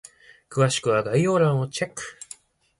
詳しくは概要欄をチェック！